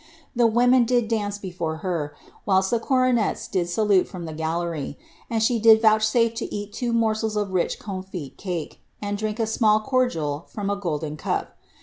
The women did dance before her, kilst the comets did salute from the gallery, and she did vouchsafe to It two morsels of rich comfit cake, and drank a small cordial from a Men cup.